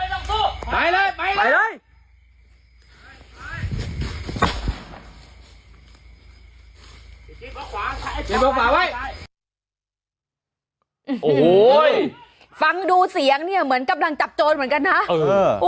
จะโปะขวาไว้โอ้โหฟังดูเสียงเนี่ยเหมือนกำลังจับโจรเหมือนกันนะเออ